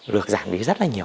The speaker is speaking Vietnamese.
lược giản lý rất là nhiều